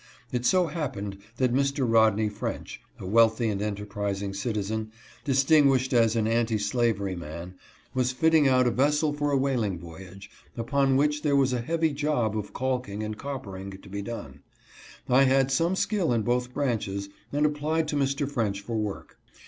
It so happened that Mr. Rodney French, a wealthy and enterprising citizen, distinguished as an anti slavery man, was fitting out a vessel for a whaling voyage, upon which there was a heavy job of calking and coppering to be done. I had some skill in both branches, and applied to Mr. French for work.